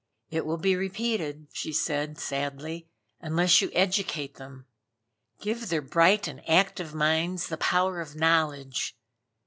"It will be repeated," she said sadly, "unless you educate them. Give their bright and active minds the power of knowledge.